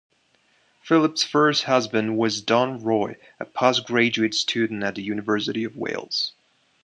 Phillips' first husband was Don Roy, a post-graduate student at the University of Wales.